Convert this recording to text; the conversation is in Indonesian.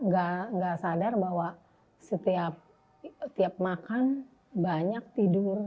gak sadar bahwa setiap makan banyak tidur